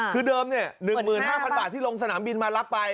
คือเดิม๑๕๐๐บาทที่ลงสนามบินมารับไป